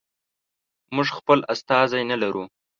موږ خپل استازی نه لرو.